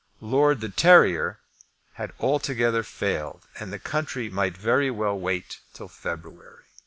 Lord de Terrier had altogether failed, and the country might very well wait till February.